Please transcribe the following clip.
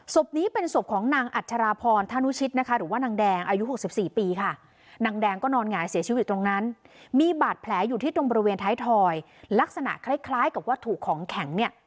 ศพนี้เป็นศพของนางอัชราพรธานุชิตหรือว่านางแดงอายุ๖๔ปีค่ะ